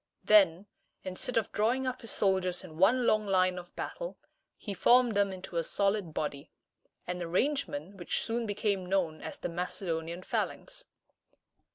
Then, instead of drawing up his soldiers in one long line of battle, he formed them into a solid body, an arrangement which soon became known as the Macedonian phalanx.